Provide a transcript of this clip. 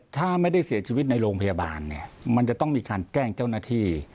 ถ้าไม่ได้เสียชีวิตในโรงพยาบาลเนี่ยมันจะต้องมีการแจ้งเจ้าหน้าที่